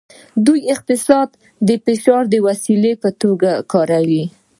دوی اقتصاد د فشار د وسیلې په توګه کاروي